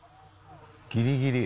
ギリギリ。